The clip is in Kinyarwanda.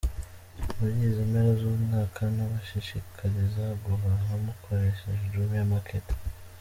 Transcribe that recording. Muri izi mpera z'umwaka nabashishikariza guhaha mukoresheje Jumia Market.